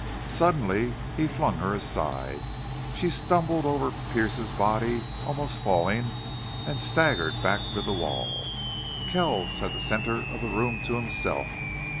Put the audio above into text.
Suddenly he flung her aside. She stumbled over Pearce's body, almost falling, and staggered back to the wall. Kells had the center of the room to himself.